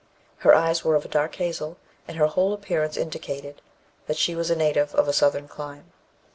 Her eyes were of a dark hazel, and her whole appearance indicated that she was a native of a southern clime.